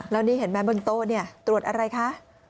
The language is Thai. และนี่เห็นไหมมันโต๊ะว่าตรวจอะไรคะ